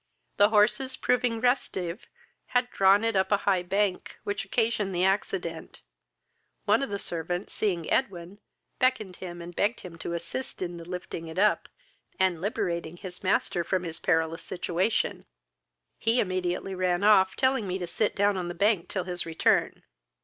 "The horses, proving restive, had drawn it up a high bank, which occasioned the accident. One of the servants, seeing Edwin, beckened him, and begged him to assist in the lifting it up, and liberating his master from his perilous situation. He immediately ran off, telling me to sit down on the bank till his return.